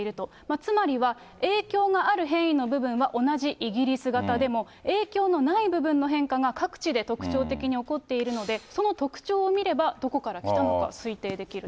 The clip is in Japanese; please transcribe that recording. つまりは、影響がある変異の部分は同じイギリス型でも、影響のない部分の変化が各地で特徴的に起こっているので、その特徴を見れば、どこから来たのか推定できると。